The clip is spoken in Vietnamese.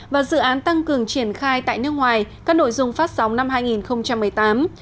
và dự án tăng cường triển khai tại nước ngoài các nội dung phát sóng năm hai nghìn một mươi tám